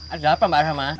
ada apa mbak rama